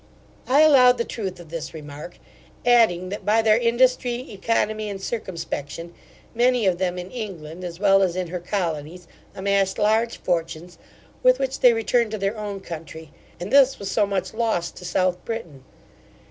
I allowed the truth of this remark, adding, that by their industry, oeconomy, and circumspection, many of them in England, as well as in her colonies, amassed large fortunes, with which they returned to their own country, and this was so much lost to South Britain.